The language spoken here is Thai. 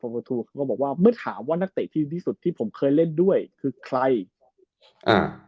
ทูเขาก็บอกว่าเมื่อถามว่านักเตะที่ดีที่สุดที่ผมเคยเล่นด้วยคือใครอ่า